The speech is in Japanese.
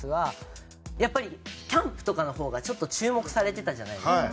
やっぱりキャンプとかの方がちょっと注目されてたじゃないですか。